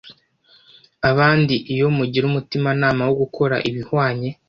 abandi iyo mugira umutimanama wo gukora ibihwanye